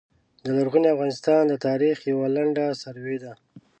د لرغوني افغانستان د تاریخ یوع لنډه سروې ده